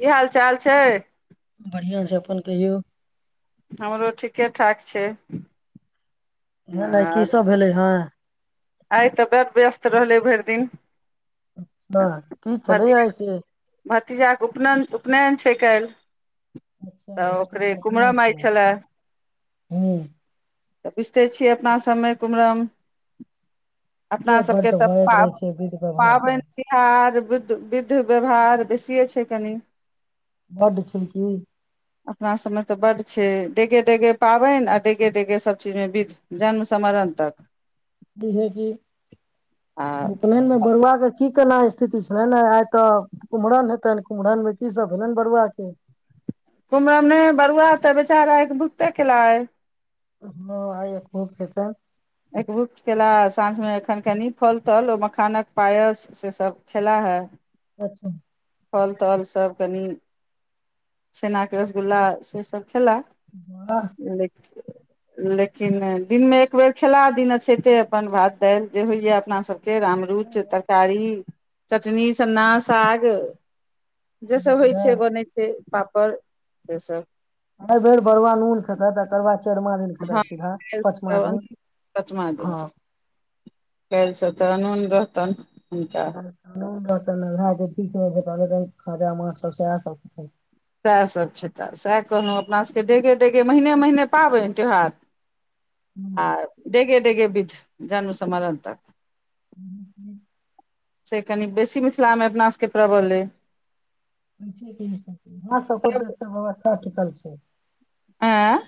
की हाल चाल छै बढ़ियां छै अपन कहियौ हमरो ठीके ठाक छै नै नै की आर सभ भेलै हन आइ तऽ बड्ड व्यस्त रहलै भरि दिन हँ की छलैए भतीज आइ से भतीजाक उपनयन उपनयन छै काल्हि अच्छा तऽ भात उत ओकरे के उपनान कुमरम आय छलै हूँ तऽ बुझिते छियै अपना सभमे कुमरम अपना ए सबके बड्ड तऽ होइत पा रहै छै विध व्यवहार पाबनि सब तिहार विध विध विध व्यवहार बेसिए छै कनि बड्ड खेल कि अपना सभमे तऽ बड्ड छै डेगे डेगे पाबैन आ डेगे डेगे सभचीजमे विध जन्म सँ मरण तक ई है कि आ उपनैन मे बरुआ के की केना स्थिति छलनि ये आइ तऽ कुम्हरन हेतनि कुम्हरन मे की सब भेलनि बरुआ के कुम्हरन नहि बरुआ तऽ बेचारा भुकताे केला आय [unintelligible] हँ आइ अखरौत हेतनि एक भुक कयेला साँझमे एखन कनि फल तल ओ मखानक पायस सेसभ खेला हे अच्छा फल तल सब कनी छेना के रसगुल्ला से सब खैला वाह लेकिन दिनमे एक बेर खेला दिन अछैते अपन भात दालि जे होइया अपना सभके अमरूचि तरकारी चटनी सन्ना साग जे सभ होइ बुझलियै। छै बनै छै पापड़ सेसभ एय बेर बरुआ नून खेतह तकर बाद चरमा दिन खेताह सीधा पंचमा दिन पँचमा दिन छै हँ सतानन रहतन [unintelligible] ठीक छै त तऽ खाजा मछ सब से क [unintelligible] सैह सभ खेता सएह कहलहुँ अपना सभके डेगे डगे महीने महीने पाबैन त्यौहार हँ आ डेगे डेगे विध जन्म सँ मरन तक ह ह [inaudible] से कनि बेसी मिथिलामे अपना सबके प्रबल अइ इहे सब पर तऽ एते व्यवस्था टिकल छै [inaudible] ऐं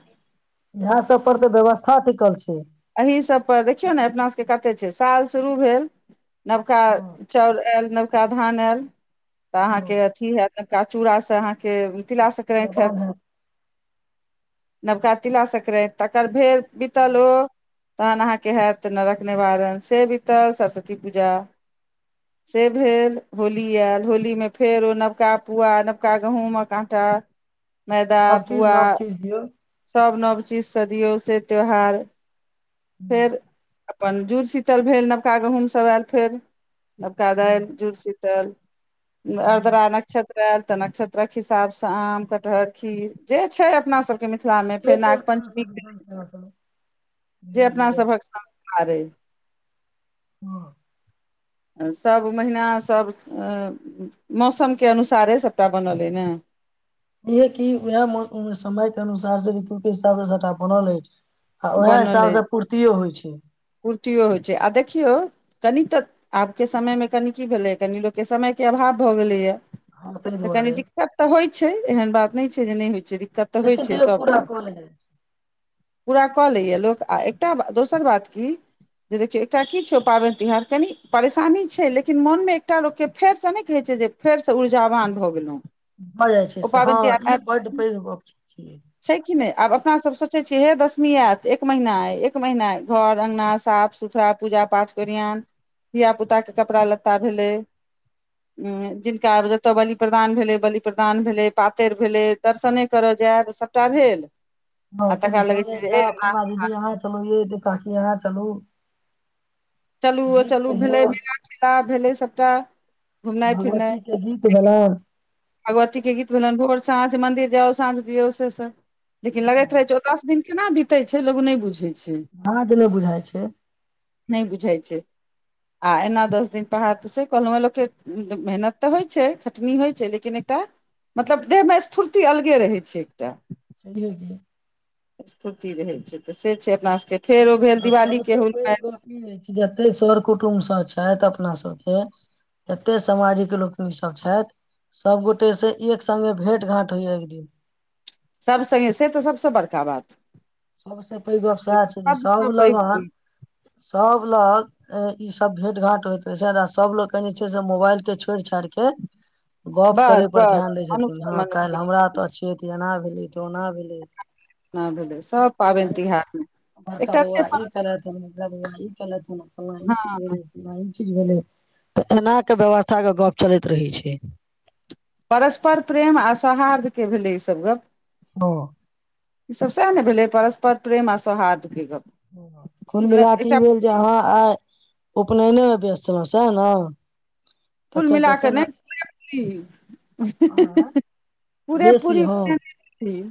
इहे सब पर तऽ व्यवस्था टिकल छै एही सब पर देखियौ ने अपना सब के कतेक छै साल शुरू भेल नबका हँ चाउर आयल नवका धान आयल तऽ अहाँ हँ के अथी हैत नबका चूड़ासँ अहाँके तिला संक्रान्त दबान हैत है नवका तिला संक्राति तकर भेर बितल हँ ओ तहन अहाँके हैत नरक निवारण से बीतल सरस्वती पूजा से भेल होली आयल होलीमे फेर ओ नवका पुआ नवका गहूँमक आटा मैदा सब चीज पूआ नव चीज दियौ नव नव चीज सँ दियौ से त्यौहार हँ फेर अपन जुड़ शीतल भेल नबका गहूँम सब आयल फेर नबका दालि हँ जुड़शी हँ अर्द्रा नक्षत् तऽ नक्षत्रक हिसाब से आम कटहर खीर जे छै अपना सबके मिथिलामे फेर से छै नाग अपना पञ्चमी सब के दिसन लेल सएह सब जे धीरे अपना धीरे सभक आरइ [unintelligible] हँ [inaudible] सब महिना सब अ मौसम के अनुसारे सभटा बनल अइ ने इहे कि उएहौ समयके अनुसार से ऋतु के हिसाब सँ सभटा बनल अछि आ उएह बनल अए हिसाबसँ पूर्तियो होइ छै कुर्तीयो होइ छै आ देखियौ कनि तऽ आबके समयमे कनि की भेलैए कनि लोक के समय के अभाव भऽ गेलैए हँ ताहि तऽ कनी दुआरे दिक्कत तऽ होइत छै एहन बात नय छै जे नय होइ छै दिक्कत तऽ होइ लेकिन छै तैयो पूरा सबके कऽ लेबै कऽ लैये लोक आ एकटा दोसर बात की जे देखियौ एकटा की छै पाबनि तिहार कनि परेशानी छै लेकिन मोन मे एकटा लोक के फेरसँ नहि कहै छै जे जे फेर से ऊर्जावान भऽ गेलऊ भऽ जाइ छै ओ से पाबनि हँ तिहार ई बड्ड आइब पैघ गप छियै छै कि नय आब अपना सब सोचै चेहे दस [unintelligible] नी आत एक महिना ऐ एक महिना ऐ घर अगना साफ सुथरा पूजा पाठक ओरियन धिया पुताके कपड़ा लत्ता भेलै जिनका आब जतय बलि प्रदान भेलै बलि प्रदान भेलै पातर भेलै दर्शने करब जायब सभटा भेल हँ आ कनि तकरा लगै छै सगें जे ए जाएब अहां दीदी अहाँ चलू य त काकी अहाँ चलू चलू ओ गीत चलू कहियौ भेलै मेला ठेला भेलै सभटा घुमनाइ भगवतीके गीत भेलैन भगवतीके गीत भेलन भोर साँझ मन्दिर जाउ साँझ दियौ से सब लेकिन लगैत रहे हँ, छै ओ दस दिन केना बितै छै लोक नै बुझै छै हँ जे ने बुझाइ छै नय बुझाय छै आ एना दस दिन पाहर से कहलऊ हेँ लोक के मेहनत तऽ होइत छै खटनी होइ छै लेकिन के नय त मतलब देह मे स्फूर्ति अलगे रहै छै एकटा चलिओ गे स्फूर्ति रहै छै तऽ से छै अपना स के आ सबसे पैघि हुलमेल गप ई रहै छै जते सर कुटुम सब छै छैथ अपना सबके एते सामाजिक लोकनि सब छैथ सभगोटेसँ एक सगें भेँट घाँट होइया एक दिन सब सगें से तऽ सबसे बड़का बात सबसे पैघ गप से सएह तऽ छै जे सब सभसँ लग पैघ अहां दिन। सब लग अ ईसभ भेंट घांट होइत रहै छै आ सभलोकनि जे छै से मोबाइल के छोड़ि छाड़ि के गप बस करयपर बस ध्यान दै मनुख छथिन से हँ मनुख काल्हि हमरा तऽ छियै तऽ एना भेलै तऽ ओना भेलै ना भेलै सभ पाबनि आरे तिहारमे बरका एकटा छै बौआ ई पर- तरह के मतलब इ फलां ई चीज हँ भेलै चिल्लां ई चीज की भेलै तऽ एना के व्यवस्था के गप चलैत रहै छै परस्पर प्रेम आ सौहार्द्र के भेलै ईसभ गप्प हं ई सब सेह ने भेलै परस्पर प्रेम आ सौहार्द के गप कुल मने मिलााके ई एकटा भेल जे अहाँ आइ उपनयनेमे व्यस्त चलू सएह न कुल मिला क नै पूरापूरी अहाँ पूरे बेसी पूरी हँ कए दै छथिन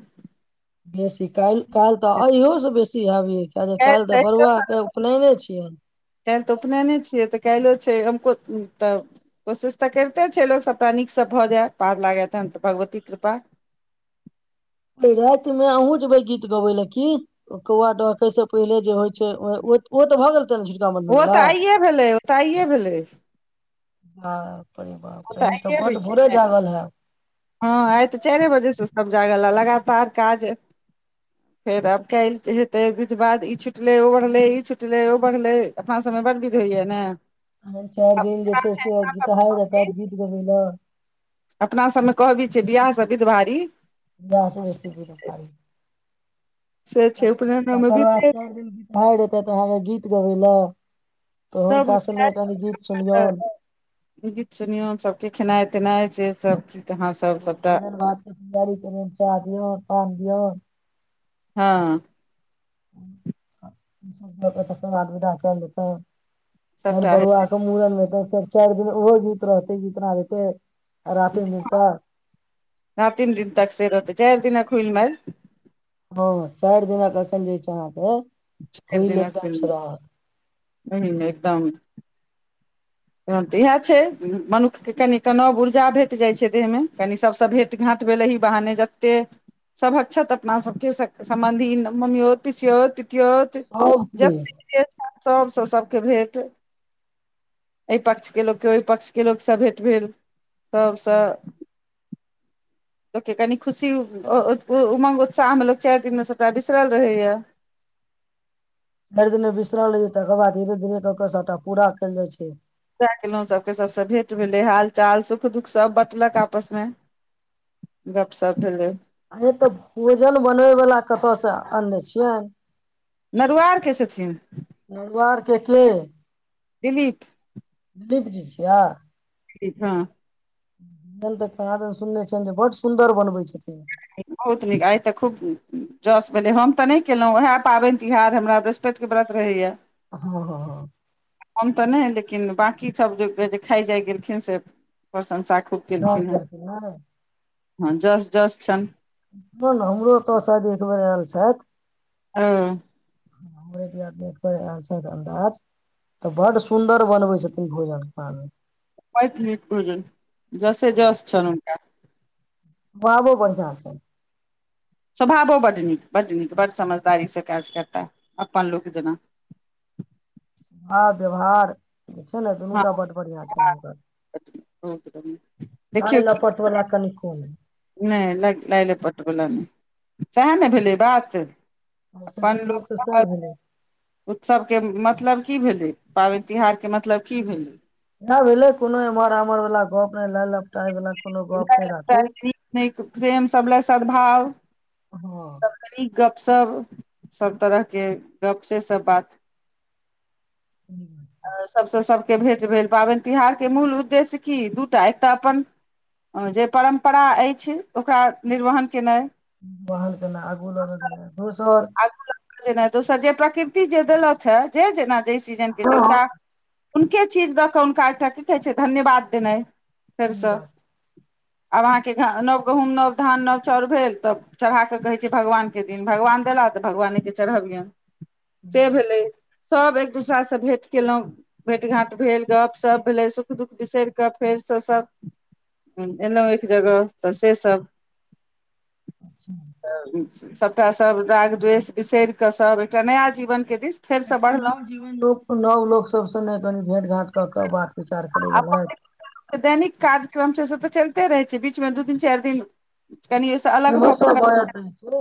बेसी कालि कालि तऽ अइहोसं बेसी हेब यै कालि देखे छियनि कालि तऽ उपनयने छियै तऽ काइलो छै तऽ कोशिश तऽ करिते छै लोक सबटा नीकसँ भऽ जाय पार लागै तहन त भगवान छ पति कृपा राति मे अहुँ जेबै गीत गबे लए की कौआ डकै से पहिले जे होइ छै ओहि ओ तऽ भऽ गेलै ने झिटकाबंधन ओ बला तऽ आइए भेलै ओ तऽ आइए भेलै [inaudible] बाप रे बा ओ तऽ तहन त' आइए होइ बड़ छै भोरे ने। जाागल हैब हँ आइ तऽ चारिबजे से सब जागल लगातार काज फेर आब काइल हेतै विधवाध ई छुटले ओ बढ़ले ई छुटले ओ बढ़ले अपना सबमें बर बीध होइए ने चारि दिन जे अपना छै से सबमे कहाय जेतै कहबी गीत गबै ल अपना सभमे कहबी छै वियाहसँ विध भारी बे स बेसी विध भारी से त छै उपनयनो मे तकर बिते चारि दिन गीतहारी एतै तऽ अहाँके गीत गबै लए त सब हुनका सुन खाय के कनि गीत सुनियौन के खेनाइ तेनाइ से सब के ओ भोजन भात दारी कनी चाह दियौन पान दियौन हँ सब पर त बात विदा क' देतै फेर सबटा हय बरुआके मूड़नमे हेतै फेर चारि दिन ओहो गीत रहतै गीतनाद हेतैय रातिम दिन तक से रहतै चारि दिनक हूइल माइल हँ चारि दिनक एखन जे छै अहाँके हुइल एकदमसँ रहत नै नै नै एकदम तहन तऽ यैह छै मनुख के कनी त नव ऊर्जा भेट जाइत छै देहमे कनी सभसँ भेँटघांट भेल एहि बहाने जते सबहक़ छत अपना सबके सम्न्धी ममियौत पिसियौत कियोत सब हुइल जतेक जे छैथ सभसँ सबके भेट एहि पक्ष के लोकके ओहि पक्ष के लोक सब भेंट भेल सबसँ लोककेँ कनि खुशी उमंग उत्साहमें लोक चारि दिनमे सभटा बिसरल रहैए [inaudible] चारि दिनमें बिसरल रहैया तकर बाद धीरे धीरे क क सभटा पूरा कैल जाइ छै पूजा केलोँ सभके सभसँ भेँट भेलै हाल चाल सुख दुःख सभ बटलक आपसमे गपसप भेलै ओ तऽ भोजन बनबैवला कतयसँ आनने छियनि नरुआरके छथिन नरुआर के के दिलीप दीप जी छिय [unintelligible] एखन तऽ कहांदन सुनने छियनि जे बड सुन्दर बनबैत छथिन [unintelligible] बहुत नीक आइ तऽ खूब जस भेलै हम तऽ नहि केलहुँं वएह पाबनि तिहार हमरा बृहस्पतिक के व्रत रहैया हँ हँ ह किन बांकी सब जे जे खाय जाय गेलखिन से प्रशंसा खूब जस केलखिन हेँ देलखिन नै हँ जस जस छनि न न हमरो तऽ स जेदू हजार आयल छथि हं [unintelligible] अन्दाज तऽ बड्ड सुन्दर बनबै छथिन भोजन कहाँदून होहित न जसे जस छनि हूनका [unintelligible] बाबो बढ़ियां छनि स्वभावो बड्ड नीक बड्ड नीक बड्ड समझदारीसँ काज करताह अपन लोक जेना [inaudible] भाव व्यवहार जे छै ने दुनू हँ टा बड बढ़िआँ छनि हुनकर बहुत बढ़िया देखियौ नहि की लपट वला कनि नहि लायलेपटबला नहि सएह ने भेलै बात सबसँ अपन पैघ गप तऽ सएह भेलै लोकसभ उत्सवके मतलब की भेलै पाबनि तिहारके मतलब की भेलै यैह भेलै कोनो एमर आम्हर बला गप नहि लाय लप नहि लग नीक नीक प्रेम सभ लए सद्भाव हँ लए नीक सब सब तरह के गप से सब बात [unintelligible] के भेंट भेल पाबनि तिहार के मूल उद्देश्य की दूटा एक तऽ अपन जे परम्परा अछि ओकरा निर्वहन केनाइ बह केना आगू ल कऽ जेनाय आगू लग जेना दोसर जे प्रकृति जे देलथ हे जे जेना जै सीजन के हुनका हँ हुनके चीज दऽ कऽ हुनका एकटा की कहै छै धन्यवाद देनाइ ई फेरसँ बात आब अहाँके नव गहुंम नव धान नव चाउर भेल तब चढ़ा कऽ कहैत छै भगवानके दिन भगवानके भगवानेके चढाबियन से भेलै सब एक एक दूसरासँ भेट केलहुँ भेट घाँट भेल गपशप भेलै सुख दुःख बिसरि कऽ फेरसँ सब एयलहुँ एक जगह तऽ सेसभ अच्छा सभटा सब राग द्वेष बिसरि कऽ सब एकटा नया जीवन के दिस फेरसँ एकटा बढ़लहुँ नव जीवन नव लोक सब सने भेट घाट कऽ क बात विचार करै अपन गेलथि लोक के दैनिक काज [inaudible] काम तऽ चलते रहै छै बीचमे दू दिन चारि दिन कनि ओहिसँ अलग इहो भऽ सब जाइत छै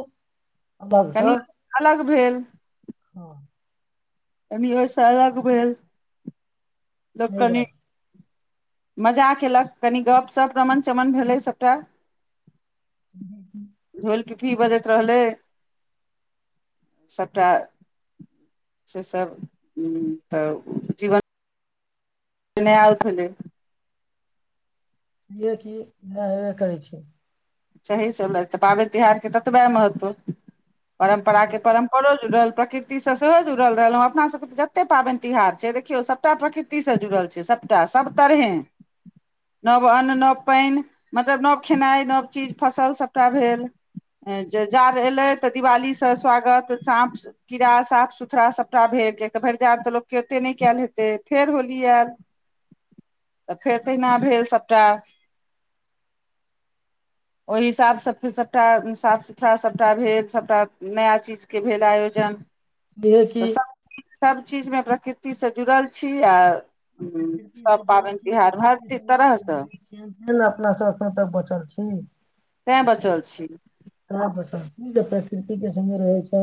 अलगसँ कनी अलग भेल हँ कनि ओय सँ अलग भेल लोक सही कनी बात मजा कयेलक कनि गप्पशप रमण चमन भेलै सभटा क क [inaudible] टिटही बजैत रहलै सबटा से सब तऽ जीवन सुने आउ ल [inaudible] की इह हेबे करै छै [unintelligible] सही सब तऽ पाबैन त्योहारके ततबे महत्व परम्परा के परम्परो जुल प्रकृति से सेहो जुड़ल रहल अपना सब के जते पावनि तिहार छै देखियौ सबटा प्रकृति से जुड़ल छै सबटा सब तरहें नव अन्न नव पैन मतलब नव खेनाइ नव चीज फसल सभटा भेल जे जाड़ एलै तऽ दिवालीसँ स्वागत साँप कीड़ा साफ सुथड़ा सभटा भेल तऽ भरि जार तऽ लोक केँ ओते नहि कयल हेतै फेर होली आयल तऽ फेर तहिना भेल सभटा ओहि हिसाबसँ सभटा साफ सुथड़ा सभटा भेल सभटा नया चीजके भेल आयोजन इहे कि तऽ सभ चिज सभ चीजमे प्रकृतिसँ जुड़ल छी आ प्रकृति से सभ जुड़ल पाबनि छैय तिहार प्रकृति हर से तरहसँ लै छी तैं ने अपना सब एखन तक बचल छी तै बचल छी त प्रकृति के संगे रहे छै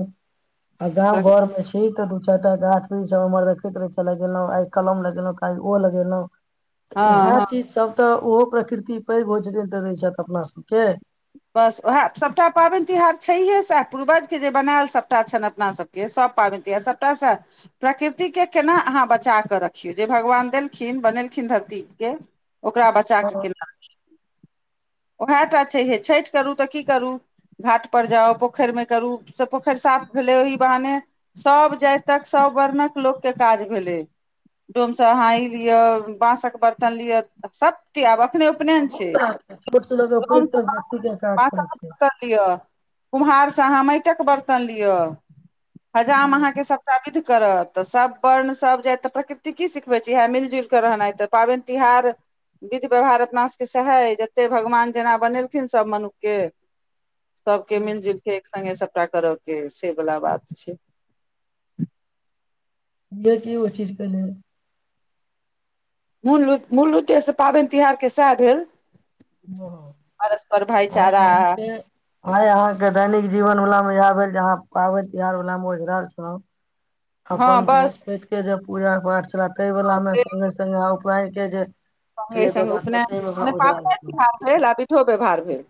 आ गाँव घर में छै त दू चारटा गाछ वृक्ष सब देखैते लगेलो आइ कलम लगेलों आई ओ लगेलों तऽ हँ इएह चीजसभ तऽ ओहो प्रकृति पैघ होइ रहै छथि अपना सभके बस उएह सभटा पाबैन तिहार छैहे सएह पूर्वजके जे बनायल सभटा छनि अपना सभके सभ पाबैन तिहार सभटाँ सेह प्रकृति के केना अहाँ बचा कऽ रखियौ जे भगवान देलखिन बनेल खिन धरती के ओकरा बचा कऽ हँ केना रखियौ वैहटा छै छैठ करू तऽ की करू घाट पर जाउ पोखैर मे करू से पोखैर साफ भेलै ओहि बहाने सभ जाइतक सब वर्णक लोक के काज भेलै डोमसँ हाई लिअ बांसक बर्तन लिअ सब त आबक खने उपनयन बहुत छै तरह के छोट से लऽ के पैघ तक व्यक्ति के काज पड़ै छै कुम्हारसँ अहाँ माटिक बर्तन लिअ हजाम हँ अहाँके सभटा विध करत तऽ सभ बर्ण सभ जाइत तऽ प्रकृति की सिखबै छी इएह मिलि जुल कऽ रहनाइ तऽ पाबैन तिहार विध व्यवहार अपना सभके सहे जते भगवान जेना बनेल थिन सब मनु के सबके मिल हँ जुलके एक संगे सब टा कर के से बला बात छै य की हो ची कने [unintelligible] मूल मूल उद्देश्य पाबैन तिहारके सएह भेल परस्पर आ भाईचारा अहाँके आइ अहाँके दैनिक जीवन वला इ भेल जहाँ पबैन तिहार ओझरहल छ हँ आपन ब बस खो के जे पूजा पाठ छले तैय वला हँ मे सङ्गे सङ्गे आ उपायके जे से संगे छलै संग व्यवस्था उपनयन ताहि मे अहाँ मने ओझराल छलहुँ पापड़ेहार भेल ल विधो व्यवहार भेल